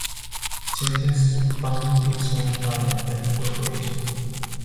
Chemdex spawned its own parent, Ventro Corporation.